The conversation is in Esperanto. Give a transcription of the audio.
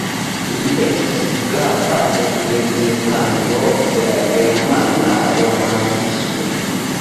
Li estis grava reprezentanto de la germana romantismo.